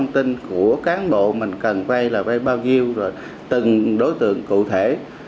tin của cán bộ mình cần vay là vay bao nhiêu rồi từng đối tượng cụ thể